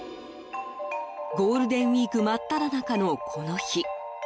ゴールデンウィーク真っただ中のこの日。